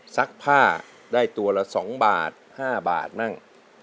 ซักผ้าได้ตัวละ๒บาท๕บาทมั่ง